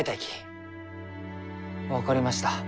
分かりました。